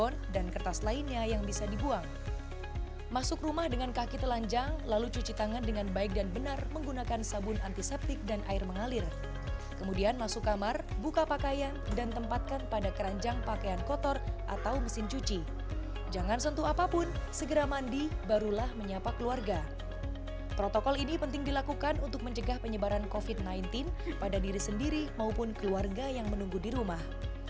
tentunya kalau kita sudah merasa bersih badan kita bersih